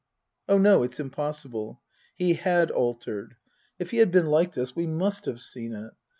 Oh, no it's impossible. He had altered. If he had been like this we must have seen it.